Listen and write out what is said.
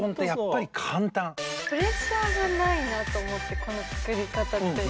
プレッシャーがないなと思ってこの作り方って。